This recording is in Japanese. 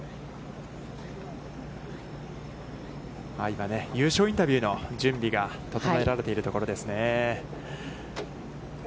今、優勝インタビューの準備が整えられているところですね。